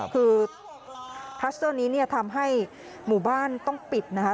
คือคลัสเตอร์นี้เนี่ยทำให้หมู่บ้านต้องปิดนะคะ